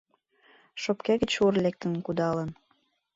Шопке гыч ур лектын кудалын...